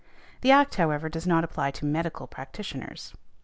The Act, however, does not apply to medical practitioners.